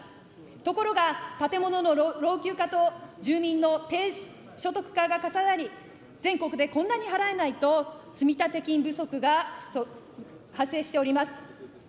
ところが、建物の老朽化と住人の低所得化が重なり、全国でこんなに払えないと、積立金不足が発生しております。